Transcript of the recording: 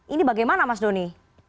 ini bagaimana mas doni